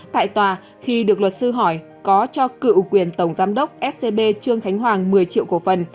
tại tòa khi được luật sư hỏi có cho cựu quyền tổng giám đốc scb trương khánh hoàng một mươi triệu cổ phần